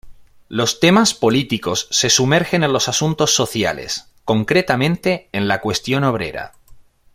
Los temas políticos se sumergen en los asuntos sociales, concretamente en la "cuestión obrera".